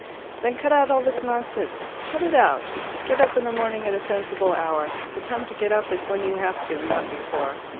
Then cut out all this nonsense. Cut it out. Get up in the morning at a sensible hour. The time to get up is when you have to, not before.